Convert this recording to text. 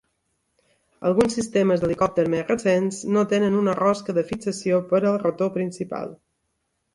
Alguns sistemes d'helicòpter més recents no tenen una rosca de fixació per al rotor principal.